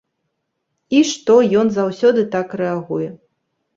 І што ён заўсёды так рэагуе.